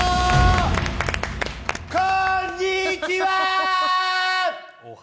こんにちは！